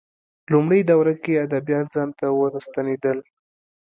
لومړۍ دوره کې ادبیات ځان ته ورستنېدل